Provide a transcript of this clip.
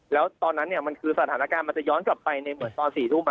แล้วตอนนั้นมันคือสถานการณ์มันจะย้อนกลับไปในเหมือนตอน๔ทุ่ม